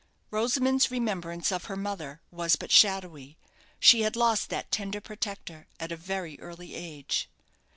Rosamond's remembrance of her mother was but shadowy. She had lost that tender protector at a very early age.